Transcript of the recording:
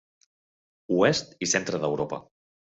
Oest i centre d'Europa.